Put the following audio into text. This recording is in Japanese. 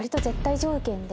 絶対条件！